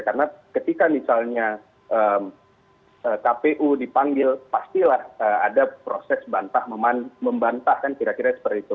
karena ketika misalnya kpu dipanggil pastilah ada proses bantah membantah kan kira kira seperti itu